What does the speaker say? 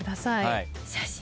写真？